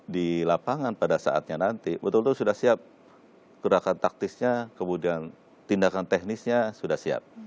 di lapangan pada saatnya nanti betul betul sudah siap gerakan taktisnya kemudian tindakan teknisnya sudah siap